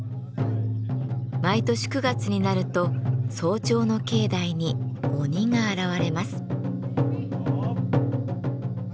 毎年９月になると早朝の境内に鬼が現れます。